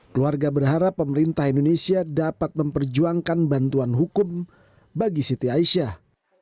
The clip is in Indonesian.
keluarga berharap pemerintah indonesia dapat memperjuangkan bantuan hukum bagi siti aisyah